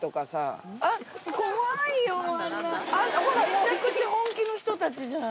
めちゃくちゃ本気の人たちじゃん。